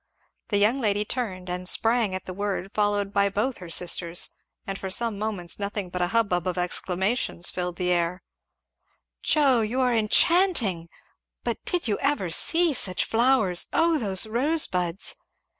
The young lady turned and sprang at the word, followed by both her sisters; and for some moments nothing but a hubbub of exclamations filled the air, "Joe, you are enchanting! But did you ever see such flowers? Oh those rose buds!